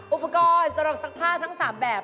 อุปกรณ์สำหรับทรัพย์ทั้ง๓แบบ